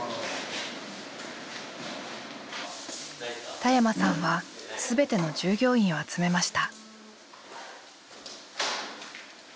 田山さんは全ての従業員を集めました。